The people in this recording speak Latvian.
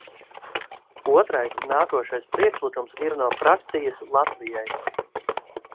"Otrais, nākošais, priekšlikums ir no frakcijas "Latvijai"."